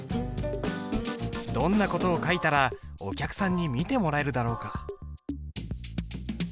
どんな事を書いたらお客さんに見てもらえるだろうか。